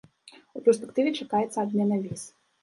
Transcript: У перспектыве чакаецца адмена віз.